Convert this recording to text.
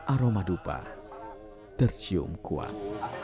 aroma dupa tercium kuat